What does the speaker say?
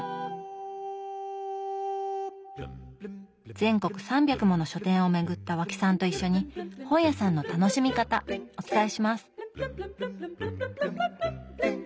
全国３００もの書店を巡った和氣さんと一緒に本屋さんの楽しみ方お伝えします！